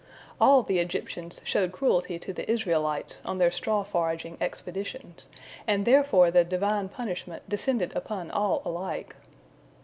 All the Egyptians showed cruelty to the Israelites on their straw foraging expeditions, and therefore the Divine punishment descended upon all alike.